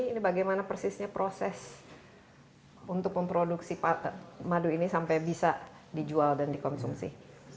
ini bagaimana persisnya proses untuk memproduksi madu ini sampai bisa dijual dan dikonsumsi